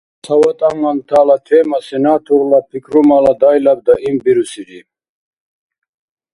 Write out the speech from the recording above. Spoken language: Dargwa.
Цаватӏанлантала тема сенаторла пикрумала дайлаб даим бирусири